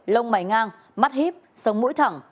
lông mày ngang mắt híp sống mũi thẳng